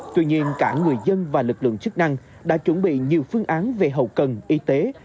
các người dân và lực lượng chức năng đã chuẩn bị nhiều phương án về hậu cần y tế